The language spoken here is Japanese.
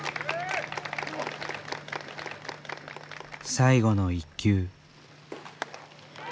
最後の１球。